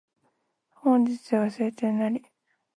本日は晴天なり